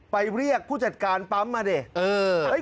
เรียกผู้จัดการปั๊มมาดิ